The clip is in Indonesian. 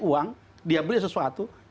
uang dia beli sesuatu